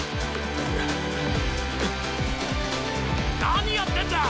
何やってんだ！